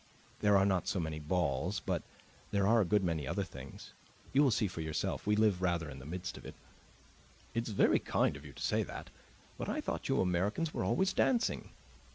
"There are not so many balls, but there are a good many other things. You will see for yourself; we live rather in the midst of it." "It's very kind of you to say that. But I thought you Americans were always dancing."